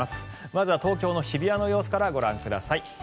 まずは東京の日比谷の様子からご覧ください。